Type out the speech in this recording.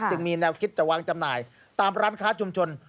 มีแนวคิดจะวางจำหน่ายตามร้านค้าชุมชน